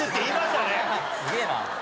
すげえな。